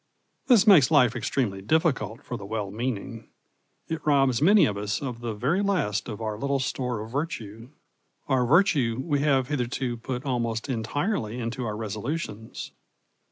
This makes life extremely difficult for the well meaning. It robs many of us of the very last of our little store of virtue. Our virtue we have hitherto put almost entirely into our resolutions.